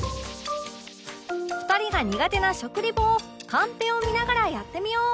２人が苦手な食リポをカンペを見ながらやってみよう